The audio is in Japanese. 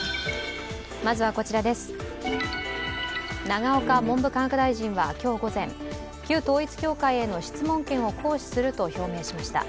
永岡文部科学大臣は今日午前、旧統一教会への質問権を行使すると表明しました。